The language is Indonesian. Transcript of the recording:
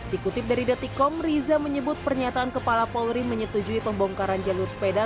dikutip dari detikom riza menyebut pernyataan kepala polri menyetujui pembongkaran jalur sepeda